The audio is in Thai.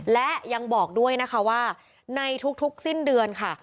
และยังบอกด้วยนะคะว่าในทุกสิ้นเดือนค่ะ